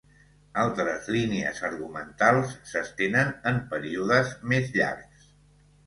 Altres línies argumentals s'estenen en períodes més llargs.